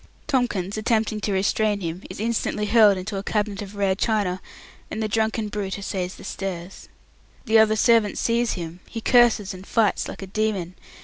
Tomkins, attempting to restrain him, is instantly hurled into a cabinet of rare china, and the drunken brute essays the stairs. The other servants seize him. He curses and fights like a demon.